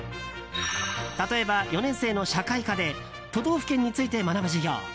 例えば、４年生の社会科で都道府県について学ぶ授業。